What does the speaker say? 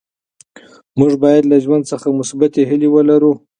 موږ باید له ژوند څخه مثبتې هیلې ولرو.